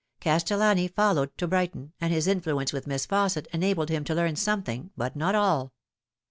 Castellani followed to Brighton, and his influence with Miss Fausset enabled him to learn something, but not all.